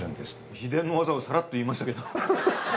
秘伝の技をさらっと言いましたけど。